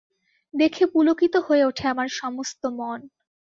দেখে পুলকিত হয়ে ওঠে আমার সমস্ত মন।